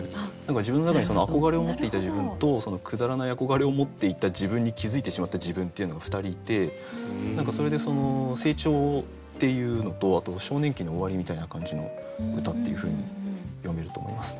自分の中に憧れを持っていた自分とくだらない憧れを持っていた自分に気付いてしまった自分っていうのが２人いてそれで成長っていうのとあと少年期の終わりみたいな感じの歌っていうふうに読めると思います。